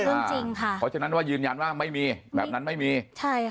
เพราะฉะนั้นว่ายืนยันว่าไม่มีแบบนั้นไม่มี